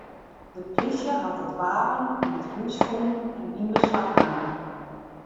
De plysje hat it wapen yn it hús fûn en yn beslach naam.